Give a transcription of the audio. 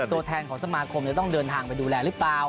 ตัวแทนของสมาคมจะต้องเดินทางไปดูแลหรือเปล่า